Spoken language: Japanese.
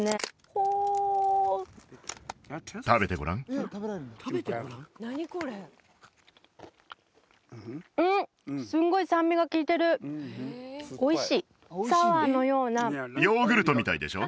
ほう食べてごらんんっすんごい酸味がきいてるおいしいサワーのようなヨーグルトみたいでしょ？